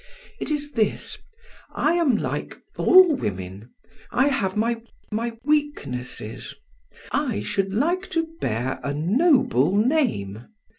"It is this: I am like all women. I have my my weaknesses. I should like to bear a noble name.